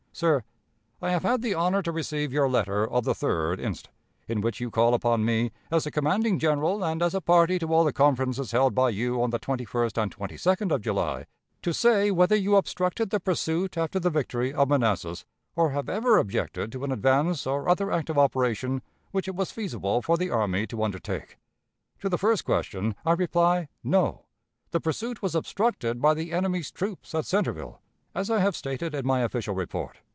"Sir: I have had the honor to receive your letter of the 3d inst., in which you call upon me, 'as the commanding general, and as a party to all the conferences held by you on the 21st and 22d of July, to say whether you obstructed the pursuit after the victory of Manassas, or have ever objected to an advance or other active operation which it was feasible for the army to undertake?' "To the first question I reply, No. The pursuit was 'obstructed' by the enemy's troops at Centreville, as I have stated in my official report.